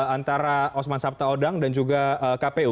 antara osman sabtaudang dan juga kpu